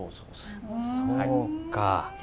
そうか。